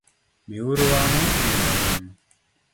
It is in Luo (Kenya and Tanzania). Miuru wang’ u mondo walem